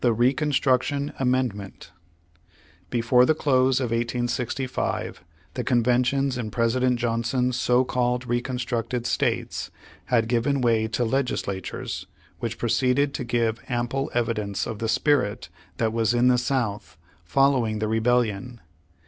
THE HECONSTKUCTION AMENDMENT Before the close of 1865, the conventions in President Johnson's so called reconstructed states, had given way to legislatures, which proceeded to give ample evidence of the spirit that was in the South, following the Rebellion.